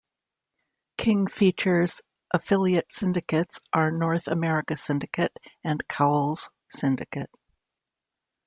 King Features' affiliate syndicates are "North America Syndicate" and "Cowles Syndicate".